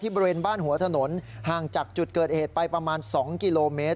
บริเวณบ้านหัวถนนห่างจากจุดเกิดเหตุไปประมาณ๒กิโลเมตร